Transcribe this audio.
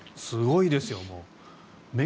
すごいですよ。